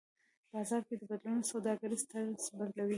بازار کې بدلونونه د سوداګرۍ طرز بدلوي.